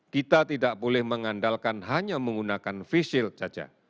kita tidak boleh mengandalkan hanya menggunakan face shield saja